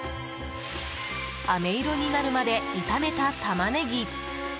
あめ色になるまで炒めたタマネギ。